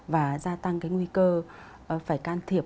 và gia tăng cái nguy cơ phải can thiệp